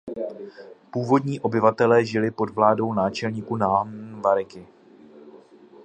Původní obyvatelé žili pod vládou náčelníků "nahnmwariki".